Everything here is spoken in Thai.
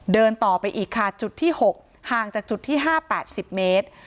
เดินต่อไปอีกค่ะจุดที่๖ห่างจากจุดที่๕๘๐เมตร